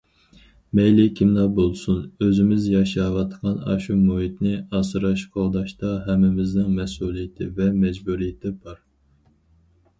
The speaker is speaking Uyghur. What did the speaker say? مەيلى كىملا بولسۇن، ئۆزىمىز ياشاۋاتقان ئاشۇ مۇھىتنى ئاسراش، قوغداشتا ھەممىمىزنىڭ مەسئۇلىيىتى ۋە مەجبۇرىيىتى بار.